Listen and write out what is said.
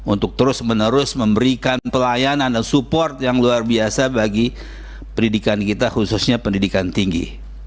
untuk terus menerus memberikan pelayanan dan support yang luar biasa bagi pendidikan kita khususnya pendidikan tinggi